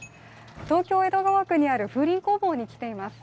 東京・江戸川区にある風鈴工房に来ています。